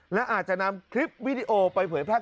และอาจจะนำคลิปวิดีโอไปเผยแพร่